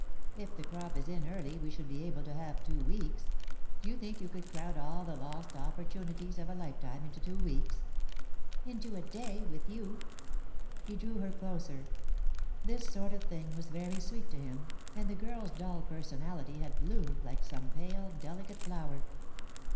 If the crop is in early, we should be able to have two weeks. Do you think you could crowd all the lost opportunities of a lifetime into two weeks?" "Into a day, with you." He drew her closer. This sort of thing was very sweet to him, and the girl's dull personality had bloomed like some pale, delicate flower.